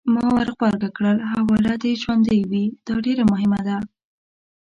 ما ورغبرګه کړل: حواله دې ژوندۍ وي! دا ډېره مهمه ده.